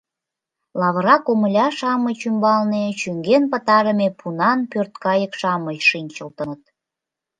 Лавыра комыля-шамыч ӱмбалне чӱҥген пытарыме пунан пӧрткайык-шамыч шинчылтыныт.